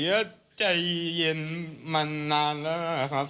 ก็ใจเย็นมานานแล้วครับ